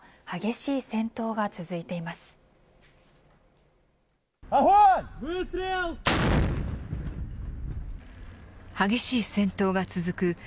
激しい戦闘が続く